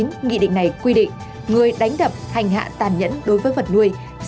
nghị định này quy định người đánh đập hành hạ tàn nhẫn đối với vật nuôi